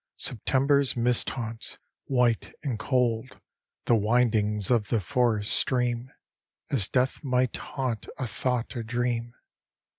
September's mist haunts, white and cold, The windings of the forest stream, As death might haunt a thought or dream.